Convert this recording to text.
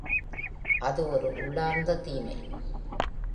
அது ஒரு உள்ளார்ந்த தீமை.